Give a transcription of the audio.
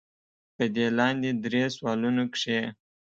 پۀ دې لاندې درې سوالونو کښې